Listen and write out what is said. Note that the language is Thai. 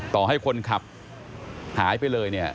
ต่อให้คนขับหายไปเลยเนี่ย